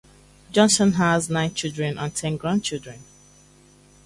Johnson has nine children and ten grandchildren.